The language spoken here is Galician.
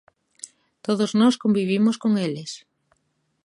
Todos nós convivimos con eles.